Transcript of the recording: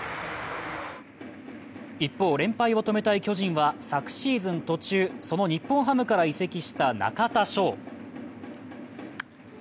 一方、連敗を止めたい巨人は昨シーズン途中、その日本ハムから移籍した中田翔。